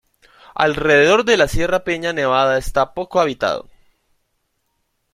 Alrededor de la Sierra Peña Nevada está poco habitado.